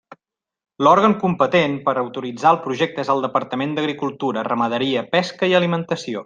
L'òrgan competent per autoritzar el projecte és el Departament d'Agricultura, Ramaderia, Pesca i Alimentació.